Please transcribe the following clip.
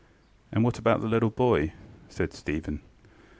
ŌĆØ ŌĆ£And what about the little boy? ŌĆØ said Stephen.